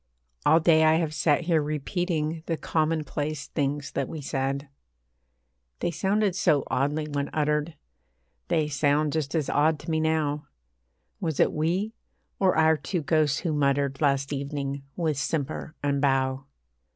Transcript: All day I have sat here repeating The commonplace things that we said. They sounded so oddly when uttered They sound just as odd to me now; Was it we, or our two ghosts who muttered Last evening, with simper and bow?